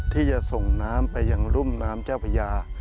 ที่จะส่งน้ำไปยังรุ่มน้ำเจ้าพญา